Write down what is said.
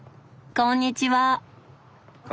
こんにちは。